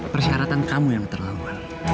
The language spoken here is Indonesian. persyaratan kamu yang terlalu